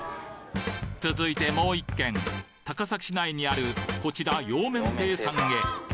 続いてもう１軒高崎市内にあるこちら洋麺亭さんへ。